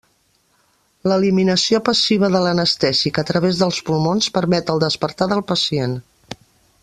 L'eliminació passiva de l'anestèsic a través dels pulmons permet el despertar del pacient.